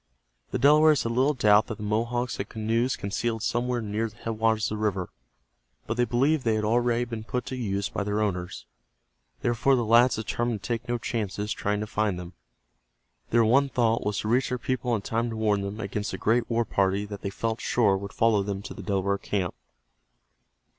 The Delawares had little doubt that the Mohawks had canoes concealed somewhere near the headwaters of the river, but they believed they had already been put to use by their owners. Therefore, the lads determined to take no chances trying to find them. Their one thought was to reach their people in time to warn them against the great war party that they felt sure would follow them to the Delaware camp.